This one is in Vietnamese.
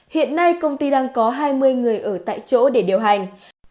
hiện nay công ty đang có hai mươi người ở tại chỗ để điều hành